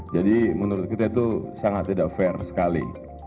jadi menurut kita itu sangat tidak fair sekali